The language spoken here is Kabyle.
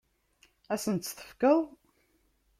Ad asen-tt-tefkeḍ?